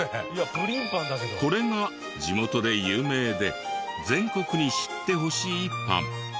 これが地元で有名で全国に知ってほしいパン。